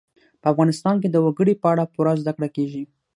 په افغانستان کې د وګړي په اړه پوره زده کړه کېږي.